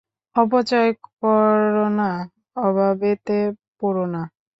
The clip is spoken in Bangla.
অপচয় কর না, অভাবেতে পড়ো না।